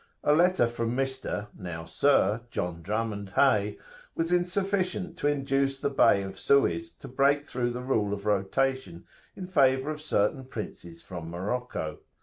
A letter from Mr. (now Sir) John Drummond Hay was insufficient to induce the Bey of Suez to break through the rule of rotation in favour of certain princes from Morocco.